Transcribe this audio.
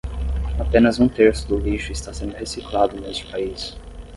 Apenas um terço do lixo está sendo reciclado neste país.